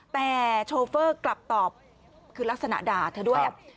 แต่โชเฟอร์กลับตอบคือลักษณะด่าเธอด้วย